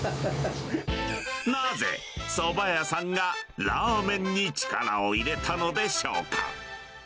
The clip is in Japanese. なぜそば屋さんがラーメンに力を入れたのでしょうか。